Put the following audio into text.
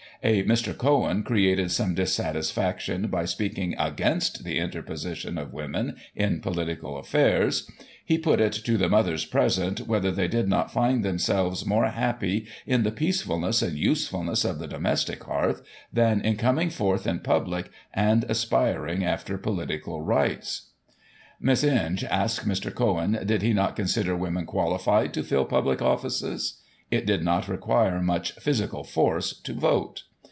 A Mr. Cohen created some dissatisfaction by speaking against the interposition of women in political affairs ; he " put it to the mothers present, whether they did not find themselves more happy in the peacefulness and usefulness of the domestic hearth, than in coming forth in public, and aspiring after political rights ?" Miss Inge asked Mr. Cohen, did he not consider women qualified to fill public offices? it did not require much " physical force " to vote